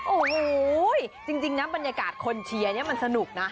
โอ้โหจริงนะบรรยากาศคนเชียร์นี่มันสนุกนะ